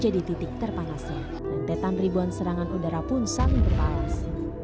dan tetan ribuan serangan udara pun saling berbalas